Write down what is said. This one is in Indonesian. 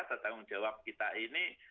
atau tanggung jawab kita ini